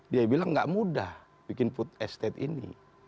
dia bilang gak mudah bikin food estate ini